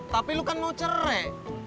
tapi lu kan mau cerai